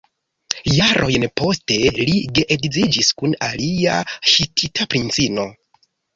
Jarojn poste li geedziĝis kun alia hitita princino.